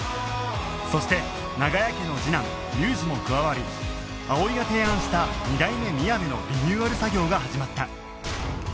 そして長屋家の次男龍二も加わり葵が提案した二代目みやべのリニューアル作業が始まった